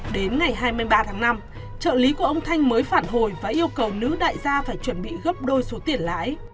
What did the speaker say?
đến ngày hai mươi ba tháng năm trợ lý của ông thanh mới phản hồi và yêu cầu nữ đại gia phải chuẩn bị gấp đôi xuống